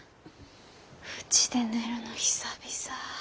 うちで寝るの久々ぁ。